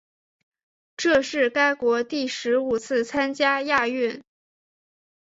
这是该国第十五次参加亚运。